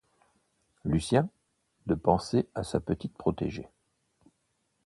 Lucien, de penser à sa petite protégée.